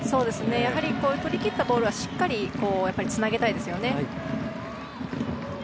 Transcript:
取り切ったボールはしっかりつなげたいですよね。